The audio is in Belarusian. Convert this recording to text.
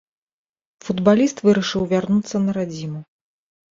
Футбаліст вырашыў вярнуцца на радзіму.